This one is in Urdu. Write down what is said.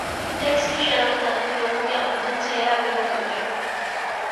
ٹیکس کی شرح کا تعلق لوگوں کی آمدن سے ہے اگر وہ کم ہے۔